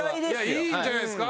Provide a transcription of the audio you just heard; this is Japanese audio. いいんじゃないですか？